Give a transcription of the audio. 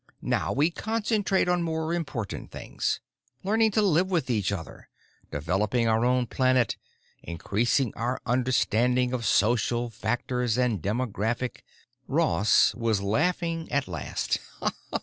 Now we concentrate on more important things. Learning to live with each other. Developing our own planet. Increasing our understanding of social factors and demographic——" Ross was laughing at last.